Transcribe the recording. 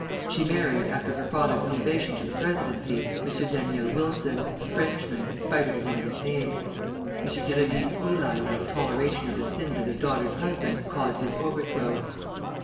She married, after her father's elevation to the presidency, M. Daniel Wilson, a Frenchman, in spite of his English name. M. Grévy's Eli like toleration of the sins of his daughter's husband caused his overthrow.